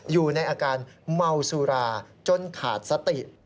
อยู่ในอาการเมาสุราจนขาดสติ